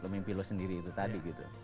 mimpi lu sendiri itu tadi gitu